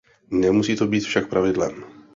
Nemusí to být však pravidlem.